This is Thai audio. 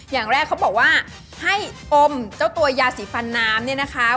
อย่างแรกเขาบอกว่าให้อมเจ้าตัวยาสีฟันน้ำเนี่ยนะคะ